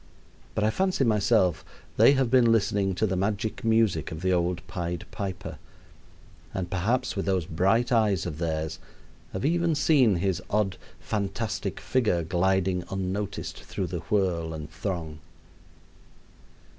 But I fancy myself they have been listening to the magic music of the old Pied Piper, and perhaps with those bright eyes of theirs have even seen his odd, fantastic figure gliding unnoticed through the whirl and throng.